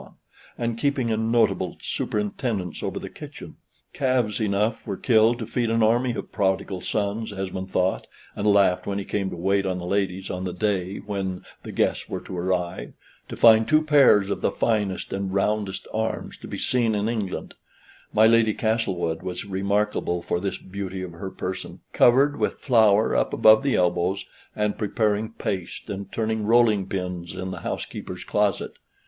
and keeping a notable superintendence over the kitchen. Calves enough were killed to feed an army of prodigal sons, Esmond thought, and laughed when he came to wait on the ladies, on the day when the guests were to arrive, to find two pairs of the finest and roundest arms to be seen in England (my Lady Castlewood was remarkable for this beauty of her person), covered with flour up above the elbows, and preparing paste, and turning rolling pins in the housekeeper's closet.